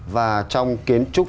và trong kiến trúc nếp chung